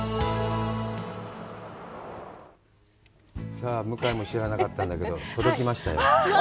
さあ向井も知らなかったんだけど届きましたよ！